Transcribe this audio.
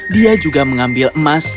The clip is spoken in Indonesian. dia juga mengambil emas